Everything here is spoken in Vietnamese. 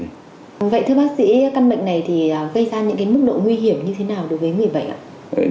vâng vậy thưa bác sĩ căn bệnh này thì gây ra những cái mức độ nguy hiểm như thế nào đối với người bệnh ạ